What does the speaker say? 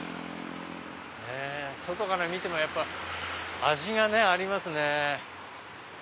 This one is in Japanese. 外から見てもやっぱ味がありますね。